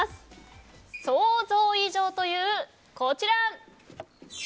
想像以上というこちら。